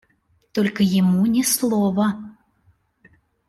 Только ему ни слова.